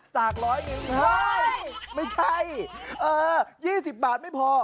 สากร้อยนิ้วค่ะไม่ใช่เออ๒๐บาทไม่พอ